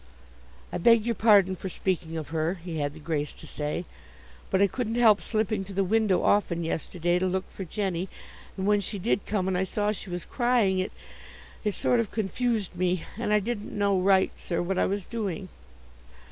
"I beg your pardon for speaking of her," he had the grace to say, "but I couldn't help slipping to the window often yesterday to look for Jenny, and when she did come and I saw she was crying, it it a sort of confused me, and I didn't know right, sir, what I was doing.